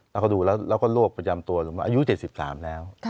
แล้วก็ดูแล้วก็โรคประจำตัวอายุ๗๓แล้ว